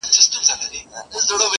• و تاته د جنت حوري غلمان مبارک،